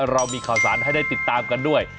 เรามีข่าวสารให้ได้ติดตามกันด้วย